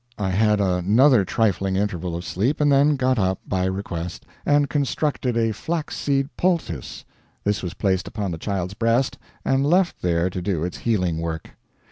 I had another trifling interval of sleep, and then got up, by request, and constructed a flax seed poultice. This was placed upon the child's breast and left there to do its healing work.